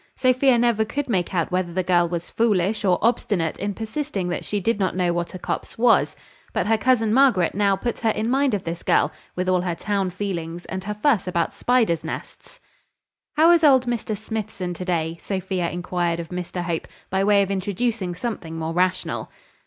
Sophia never could make out whether the girl was foolish or obstinate in persisting that she did not know what a copse was: but her cousin Margaret now put her in mind of this girl, with all her town feelings, and her fuss about spiders' nests. "How is old Mr Smithson to day?" Sophia inquired of Mr Hope, by way of introducing something more rational.